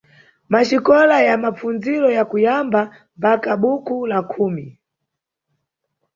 Maxikola ya mapfundziro ya kuyamba mpaka bukhu la khumi.